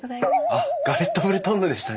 あっ「ガレットブルトンヌ」でしたね。